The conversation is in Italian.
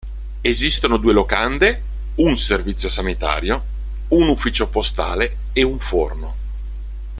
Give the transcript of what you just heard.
Esistono due locande, un servizio sanitario, un ufficio postale e un forno.